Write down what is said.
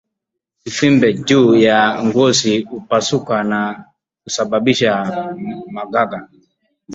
Vivimbe juu ya ngozi hupasuka na kusababisha magaga